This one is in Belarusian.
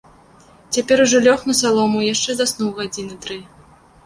Цяпер ужо лёг на салому і яшчэ заснуў гадзіны тры.